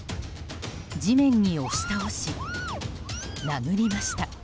地面に押し倒し、殴りました。